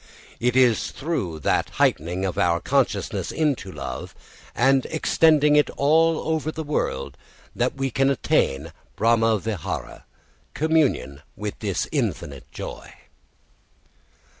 ] It is through the heightening of our consciousness into love, and extending it all over the world, that we can attain Brahma vihāra, communion with this infinite joy.